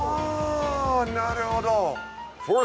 なるほど。